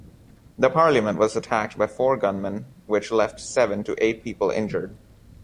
The parliament was attacked by four gunmen which left seven to eight people injured.